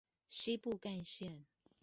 西部幹線